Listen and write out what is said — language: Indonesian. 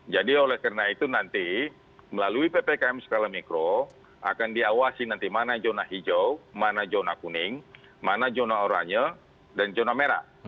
jadi oleh karena itu nanti melalui ppkm skala mikro akan diawasi nanti mana zona hijau mana zona kuning mana zona oranye dan zona merah